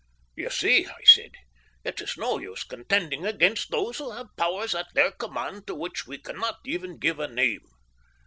"You see," I said, "it is no use contending against those who have powers at their command to which we cannot even give a name.